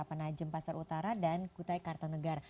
penajem pasar utara dan kutai kartanegara